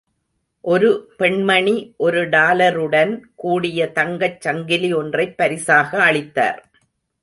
ஒரு பெண்மணி ஒரு டாலருடன் கூடிய தங்கச் சங்கிலி ஒன்றைப் பரிசாக அளித்தார்.